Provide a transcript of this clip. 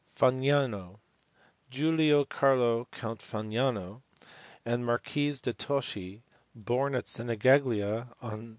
Fagnano. Giulio Carlo, Count Fagnano, and Marquis de Toschi, born at Sinigaglia on Dec.